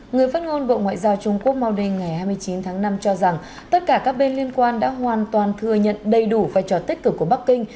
người phát ngôn bộ ngoại giao trung quốc mooning ngày hai mươi chín tháng năm cho rằng tất cả các bên liên quan đã hoàn toàn thừa nhận đầy đủ vai trò tích cực của bắc kinh